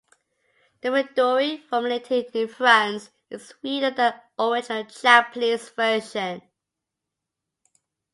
The Midori formulated in France is sweeter than the original Japanese version.